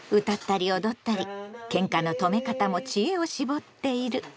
歌ったり踊ったりケンカの止め方も知恵を絞っている。